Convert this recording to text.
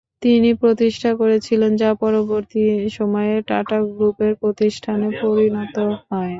তিনি প্রতিষ্ঠা করেছিলেন যা পরবর্তী সময়ে টাটা গ্রুপের প্রতিষ্ঠানে পরিণত হবে।